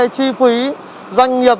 chi phí doanh nghiệp